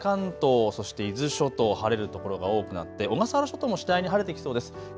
日中は関東、そして伊豆諸島、晴れる所が多くなって小笠原諸島も次第に晴れてきそうです。